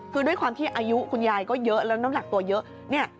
คือด้วยความที่อายุคุณยายก็เยอะแล้วน้ำหนักตัวเยอะ